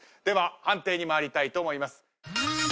では判定に参りたいと思います。